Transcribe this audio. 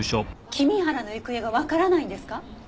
君原の行方がわからないんですか？